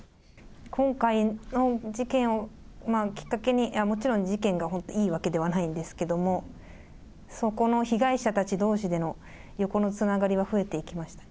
今回の事件をきっかけに、もちろん事件がいいわけではないんですけども、そこの被害者たちどうしでの横のつながりは増えていきました。